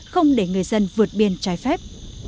không để người dân vượt biên trái phép